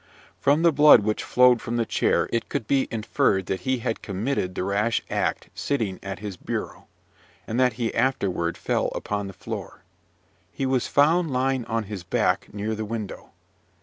From the blood which flowed from the chair, it could be inferred that he had committed the rash act sitting at his bureau, and that he afterward fell upon the floor. He was found lying on his back near the window.